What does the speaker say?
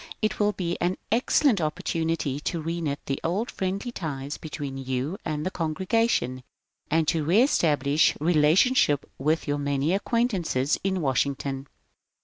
It will be an excellent opportunity to reknit the old friendly ties between you and the congregation and to rees tablish relationship with your many acquaintances in Wash ington.